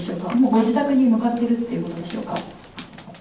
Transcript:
ご自宅に向かっているということでしょうか。